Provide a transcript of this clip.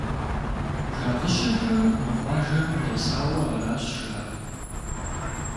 Жагъыщэхэ мы къуажэм дэсауэ аращ жаӀэр.